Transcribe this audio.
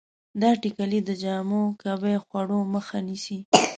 دا ټېکلې د جامو کویه خوړو مخه نیسي.